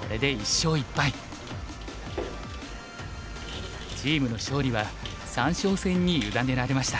これでチームの勝利は三将戦に委ねられました。